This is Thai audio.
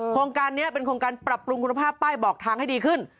โครงการนี้เป็นโครงการปรับปรุงคุณภาพป้ายบอกทางให้ดีขึ้น